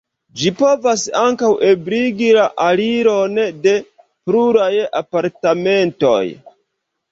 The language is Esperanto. Ĝi povas ankaŭ ebligi la aliron de pluraj apartamentoj.